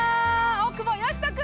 大久保嘉人君